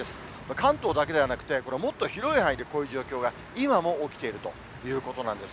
関東だけではなくて、これ、もっと広い範囲で、こういう状況が今も起きているということなんです。